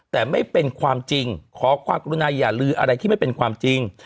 แต่ไม่เป็นความจริงขอความกรุณาอย่าลืออะไรที่ไม่เป็นความจริง